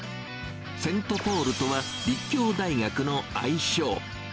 セントポールとは立教大学の愛称。